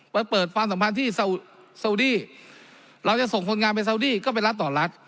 เปิดความสัมพันธ์ที่ซาวดี้เราจะส่งคนงานไปซาวดี้ก็ไปรัฐต่อรัฐ